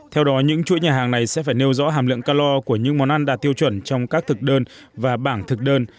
theo đó những chuỗi nhà hàng này sẽ phải nêu rõ hàm lượng calor của những món ăn đạt tiêu chuẩn trong các thực đơn và bảng thực đơn